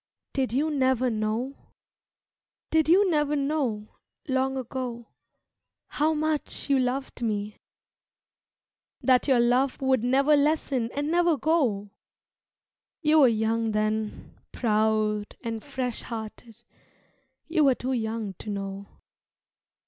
"Did You Never Know?" Did you never know, long ago, how much you loved me That your love would never lessen and never go? You were young then, proud and fresh hearted, You were too young to know.